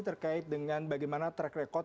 terkait dengan bagaimana track record